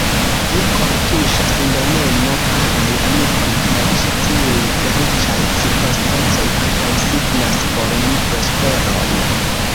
Via kortuŝa sindonemo, karaj amikoj, kaj ĉi tiuj feliĉaj cirkonstancoj antaŭsignas por mi prosperon.